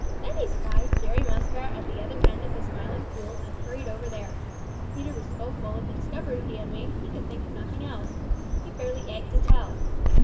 Then he spied Jerry Muskrat at the other end of the Smiling Pool and hurried over there. Peter was so full of the discovery he had made that he could think of nothing else. He fairly ached to tell.